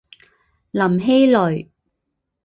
林熙蕾。